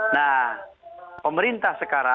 nah pemerintah sekolah jawa barat